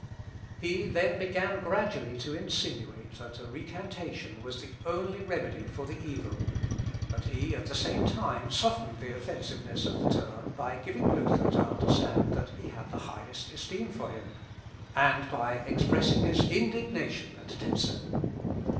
" He then began gradually to insinuate that a recantation was the only remedy for the evil; but he at the same time softened the offensiveness of the term by giving Luther to understand that he had the highest esteem for him, and by expressing his indignation at Tezel.